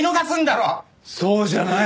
そうじゃない。